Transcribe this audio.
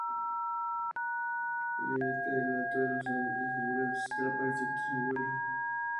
Se alimentan en lo alto de los árboles; algunas veces atrapan insectos al vuelo.